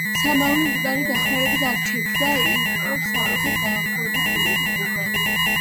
სამეული, მკვდართა დახმარებით, აჩერებს და იპყრობს საურონის დასახმარებლად მოსულ უმბარელ მეკობრეთა ფლოტს.